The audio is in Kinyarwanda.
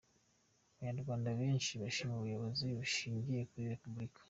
abanyarwanda benshi bashima ubuyobozi bushingiye kuri Repubulika.